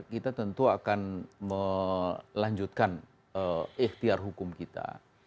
kita tentu akan melanjutkan ikhtiar hukum kita